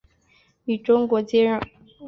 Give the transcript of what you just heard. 与中国接壤。